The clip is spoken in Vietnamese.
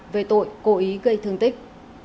về tội cố ý gây thương tích